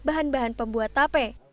bahan bahan pembuat tape